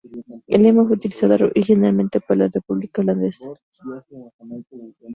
El lema fue utilizado originalmente por la República holandesa.